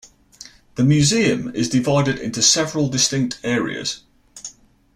The Museum is divided into several distinct areas.